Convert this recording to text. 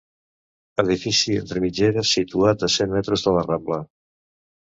Edifici entre mitgeres situat a cent metres de la Rambla.